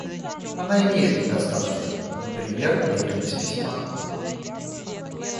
Она имеет недостатки, например медленность письма.